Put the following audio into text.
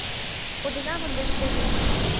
Кодынам ынде шкетын